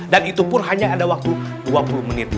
dan itupun hanya ada waktu dua puluh menit